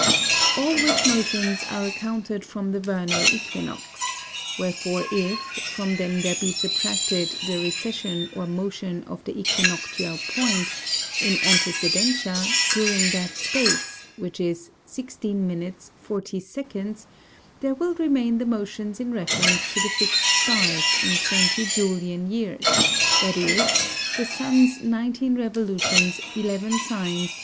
All which Motions are accounted from the Vernal Æquinox: Wherefore if from them there be subtracted the Recession or Motion of the Æquinoctial Point, in Antecedentia, during that space, which is 16 minutes, 40 seconds, there will remain the Motions in reference to the fix'd Stars in 20 Julian Years; viz. the Sun's 19 Revol. 11 S.